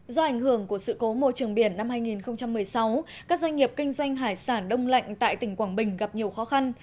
do ảnh hưởng của sự cố môi trường biển năm hai nghìn một mươi sáu các doanh nghiệp kinh doanh hải sản đông lạnh tại tỉnh quảng bình gặp nhiều khó khăn